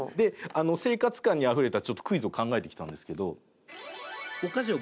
生活感にあふれたクイズを考えてきたんですけど。